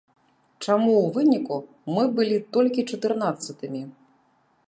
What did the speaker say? Чаму ў выніку мы былі толькі чатырнаццатымі?